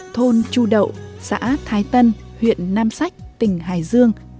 thôn chu đậu xã thái tân huyện nam sách tỉnh hải dương